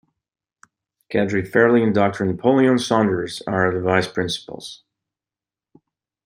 Kedre Fairley and Doctor Napoleon Saunders are the vice principals.